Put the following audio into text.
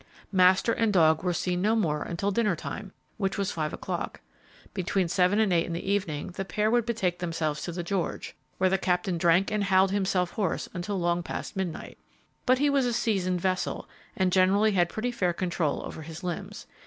Master and dog were seen no more until dinner time, which was five o'clock. Between seven and eight in the evening the pair would betake themselves to the George, where the Captain drank and howled himself hoarse until long past midnight. But he was a seasoned vessel, and generally had pretty fair control over his limbs.